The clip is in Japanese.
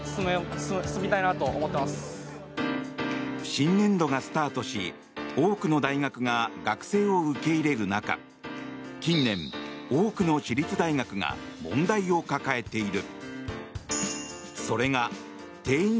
新年度がスタートし多くの大学が学生を受け入れる中近年、多くの私立大学が問題を抱えている。